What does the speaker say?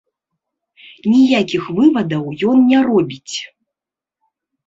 Ніякіх вывадаў ён не робіць.